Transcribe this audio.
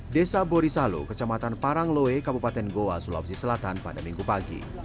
desa borisalo kecamatan parangloe kabupaten goa sulawesi selatan pada minggu pagi